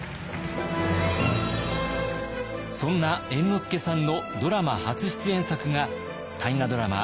そんな猿之助さんのドラマ初出演作が大河ドラマ